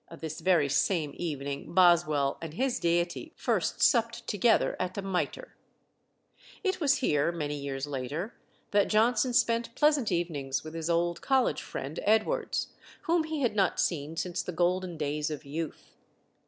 (This very same evening Boswell and his deity first supped together at the Mitre.) It was here, many years later, that Johnson spent pleasant evenings with his old college friend Edwards, whom he had not seen since the golden days of youth.